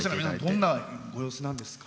どんなご様子なんですか？